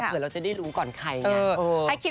เผื่อเราจะได้รู้ก่อนใครอย่างนี้